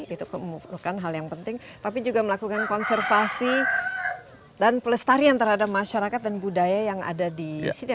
itu bukan hal yang penting tapi juga melakukan konservasi dan pelestarian terhadap masyarakat dan budaya yang ada di sini